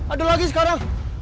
ada lagi sekarang